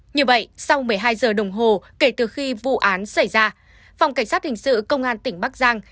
như vậy sau một mươi hai giờ đồng hồ kể từ khi vụ án xảy ra phòng cảnh sát hình sự công an tỉnh bắc giang